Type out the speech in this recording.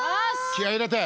気合入れて。